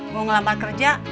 mau ngelambat kerja